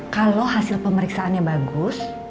kalau hasil pemeriksaannya bagus